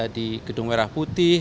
di gedung merah putih